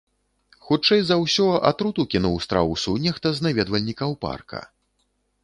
Хутчэй за ўсё, атруту кінуў страусу нехта з наведвальнікаў парка.